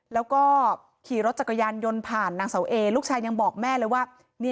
แล้วก็ขี่รถจักรยานยนต์ผ่านนางเสาเอลูกชายยังบอกแม่เลยว่า